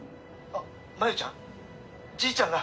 「あっ真夢ちゃん？